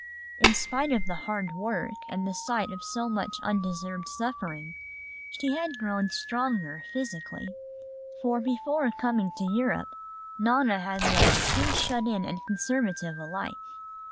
In spite of the hard work and the sight of so much undeserved suffering, she had grown stronger physically. For before coming to Europe Nona had led too shut in and conservative a life.